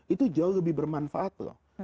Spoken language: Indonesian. itu jauh lebih bermanfaat loh